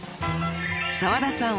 ［澤田さん